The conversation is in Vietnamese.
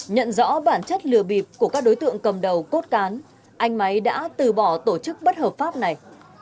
nhận rõ bản chất lừa bịp của các đối tượng cầm đầu cốt cán anh máy đã từ bỏ tổ chức bất hợp pháp này